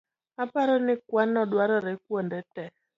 Aparo ni kuano dwarore kuonde tee